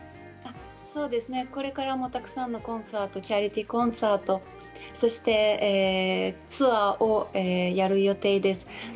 これからもたくさんのコンサートチャリティーコンサート、そしてツアーをやる予定です。